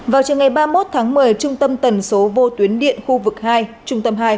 vào trường ngày ba mươi một tháng một mươi trung tâm tần số vô tuyến điện khu vực hai trung tâm hai